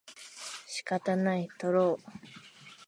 仕方ない、とろう